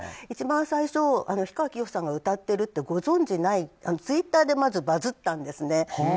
一番最初氷川さんが歌ってるってご存じなく、ツイッターでバズったんですね。